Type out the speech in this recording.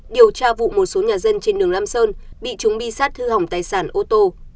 điều tra vụ một số nhà dân trên đường lam sơn bị chúng bi sát hư hỏng tài sản ô tô